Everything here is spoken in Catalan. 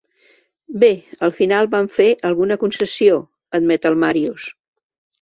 Bé, al final vam fer alguna concessió —admet el Màrius—.